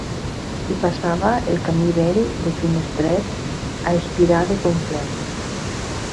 Hi passava el Camí Vell de Finestret a Espirà de Conflent.